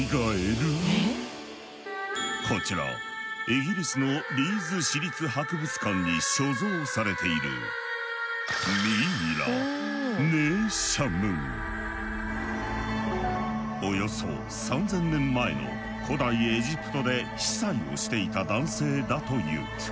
イギリスのリーズ市立博物館に所蔵されているおよそ３，０００年前の古代エジプトで司祭をしていた男性だという。